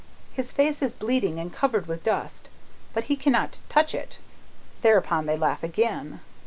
His face is bleeding and covered with dust, but he cannot touch it; thereupon they laugh again.